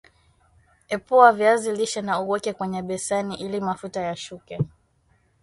Epua viazi lishe na uweke kwenye beseni ili mafuta yashuke